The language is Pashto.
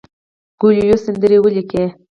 کویلیو سندرې ولیکلې.